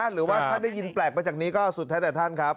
หรือว่าท่านได้ยินแปลกมาจากนี้ก็สุดแท้แต่ท่านครับ